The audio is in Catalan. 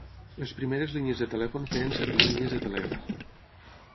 Les primeres línies de telèfon feien servir línies de telègraf.